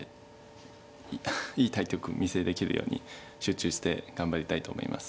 いい対局お見せできるように集中して頑張りたいと思います。